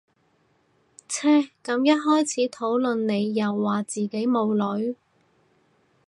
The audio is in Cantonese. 唓咁一開始討論你又話自己冇女